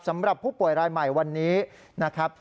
สำหรับผู้ป่วยรายใหม่วันนี้นะครับ